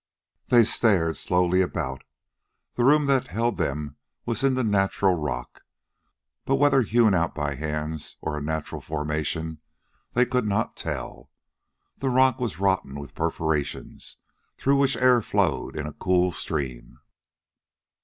They stared slowly about. The room that held them was in the natural rock, but whether hewn out by hands or a natural formation they could not tell. The rock was rotten with perforations, through which air flowed in a cool stream.